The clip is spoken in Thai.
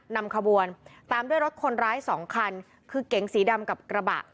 นำขบวนตามด้วยรถคนร้ายสองคันคือเก๋งสีดำกับกระบะ